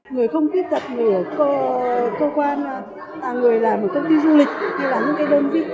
người không khuyết tật của cơ quan người làm của công ty du lịch là những đơn vị